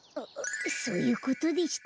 そういうことでしたら。